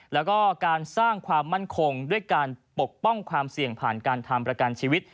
แล้วก็การสร้างความมั่นคงด้วยการปกป้องความเสี่ยงผ่านการทำประกันชีวิต